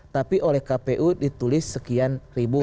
tapi oleh kpu ditulis sekian ribu